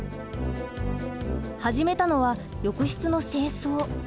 始めたのは浴室の清掃。